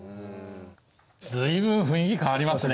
随分雰囲気変わりますね。